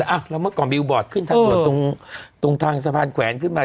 อ่ะแล้วเมื่อก่อนบิวบอร์ดขึ้นทางด่วนตรงทางสะพานแขวนขึ้นมา